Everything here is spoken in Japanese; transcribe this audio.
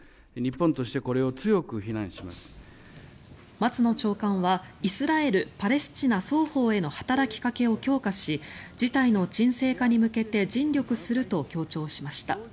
松野長官はイスラエル・パレスチナ双方への働きかけを強化し事態の沈静化に向けて尽力すると強調しました。